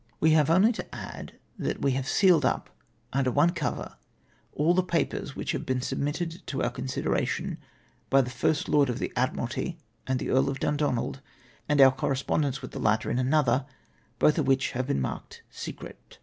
" We have only to add that we have sealed up, under one cover all the papers which have been submitted to our con sideration by the First Lord of the Admiralty and the Earl of Dundonald, and our correspondence with the latter in another — both of which we have marked ' secret.'